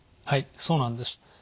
はいそうなんです。